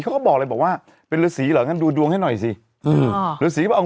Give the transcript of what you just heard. เขาบอกเลยบอกว่าเป็นฤษีเหรองั้นดูดวงให้หน่อยสิอืมฤษีบอกเอา